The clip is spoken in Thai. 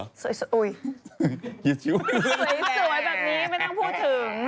หนูก็สวยแบบนี้ไม่ต้องพูดถึง